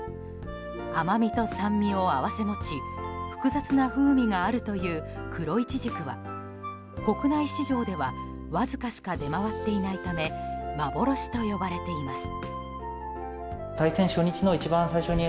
甘みと酸味を併せ持ち複雑な風味があるという黒いちじくは、国内市場ではわずかしか出回っていないため幻と呼ばれています。